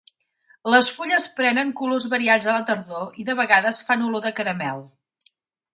Les fulles prenen colors variats a la tardor i de vegades fan olor de caramel.